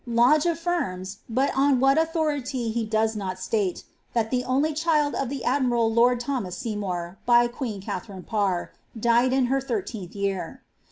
Liodge affirms, but on what aothority he does not state, ^^ that the only cliild of the admiral lord Thomas Ser mour, by queen Katharine Parr, died in her thirteenth year.'"